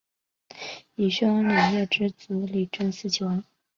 以薛王李业之子李珍嗣岐王。